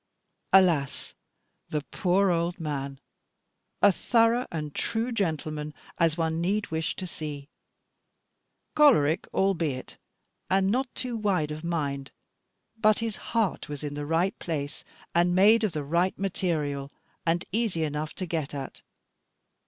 Alas! the poor old man! a thorough and true gentleman as one need wish to see choleric albeit, and not too wide of mind; but his heart was in the right place, and made of the right material, and easy enough to get at.